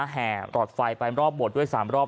แห่หลอดไฟไปรอบโบสถด้วย๓รอบ